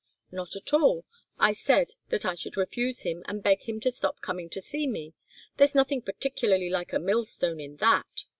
"Not at all. I said that I should refuse him and beg him to stop coming to see me. There's nothing particularly like a mill stone in that.